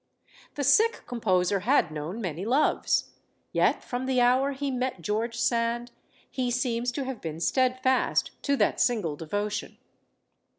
The sick composer had known many loves. Yet from the hour he met George Sand he seems to have been steadfast to that single devotion.